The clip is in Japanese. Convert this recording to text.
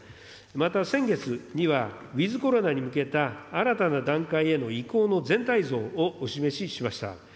また先月には、ウィズコロナに向けた新たな段階への移行の全体像をお示ししました。